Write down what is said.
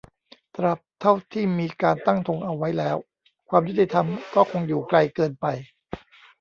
ตราบเท่าที่มีการตั้งธงเอาไว้แล้ว ความยุติธรรมก็คงอยู่ไกลเกินไป